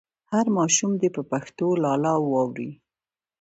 هر ماشوم دې په پښتو لالا واوري.